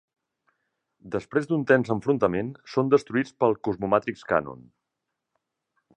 Després d'un tens enfrontament, són destruïts pel Cosmo Matrix Cannon.